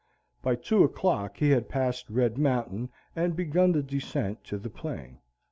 By two o'clock he had passed Red Mountain and begun the descent to the plain.